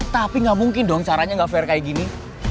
tapi nggak mungkin dong caranya gak fair kayak gini